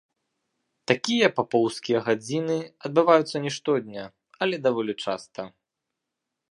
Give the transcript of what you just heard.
Такія папоўскія гадзіны адбываюцца не штодня, але даволі часта.